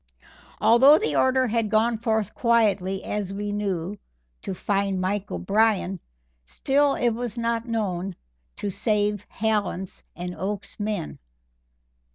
Although the order had gone forth quietly, as we knew, to "find Mike O'Brien," still it was not known to any save Hallen's and Oakes's men.